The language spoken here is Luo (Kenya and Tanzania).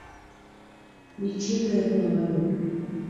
nitie ber ma wayudo.